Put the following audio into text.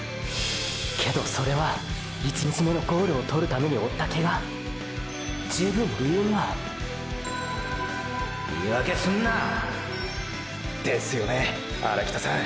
けどそれは１日目のゴールを獲るために負ったケガ十分理由には言い訳すんな。ですよね荒北さん！！